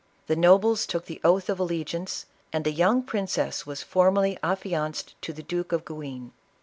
The nobles took the oath of allegiance, and the young princess was formally affianced to the Duke of Guienne.